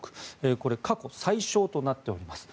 これは過去最少となっております。